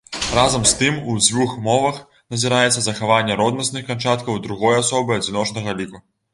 Разам з тым, у дзвюх мовах назіраецца захаванне роднасных канчаткаў другой асобы адзіночнага ліку.